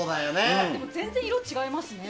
でも、全然色違いますね。